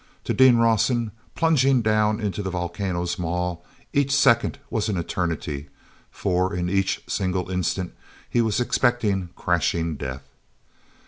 To Dean Rawson, plunging down into the volcano's maw, each second was an eternity, for, in each single instant, he was expecting crashing death.